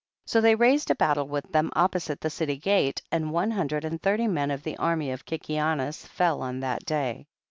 16. So they raised a battle with them opposite the city gate, and one hundred and thirty men of the army of Kikianus fell on that day.